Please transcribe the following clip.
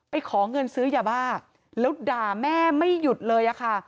ขอเงินซื้อยาบ้าแล้วด่าแม่ไม่หยุดเลยอะค่ะ